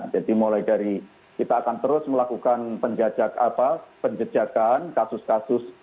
jadi mulai dari kita akan terus melakukan penjejakan kasus kasus